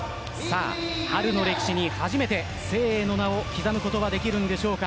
春の歴史に初めて誠英の名を刻むことができるのでしょうか。